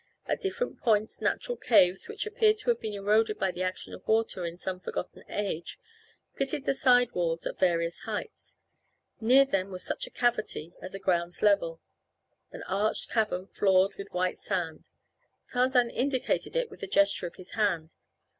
At different points natural caves, which appeared to have been eroded by the action of water in some forgotten age, pitted the side walls at various heights. Near them was such a cavity at the ground's level an arched cavern floored with white sand. Tarzan indicated it with a gesture of his hand.